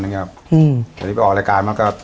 วันนี้ไปออกรายการมาก็